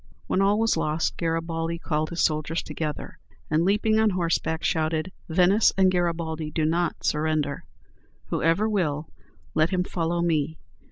When all was lost, Garibaldi called his soldiers together, and, leaping on horseback, shouted, "Venice and Garibaldi do not surrender. Whoever will, let him follow me!